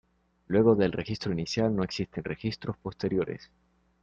Luego del registro inicial no existen registros posteriores.